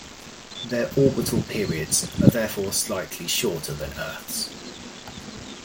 Their orbital periods are therefore slightly shorter than Earth's.